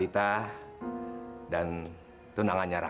tunggu mama dulu